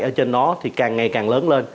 ở trên đó thì càng ngày càng lớn lên